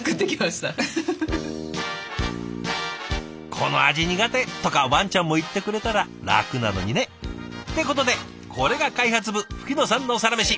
「この味苦手」とかワンちゃんも言ってくれたら楽なのにね。ってことでこれが開発部吹野さんのサラメシ。